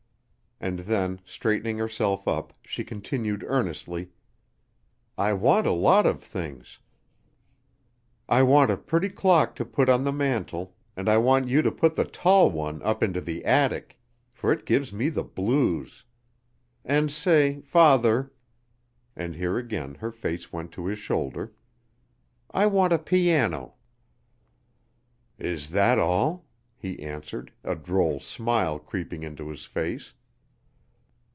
and then, straightening herself up, she continued earnestly: "I want a lot of things; I want a pretty clock to put on the mantel, and I want you to put the tall one up into the attic, for it gives me the blues; and say, father" and here again her face went to his shoulder, "I want a piano!" "Is that all?" he answered, a droll smile creeping into his face.